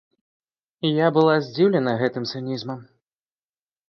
Я была здзіўлена гэтым цынізмам.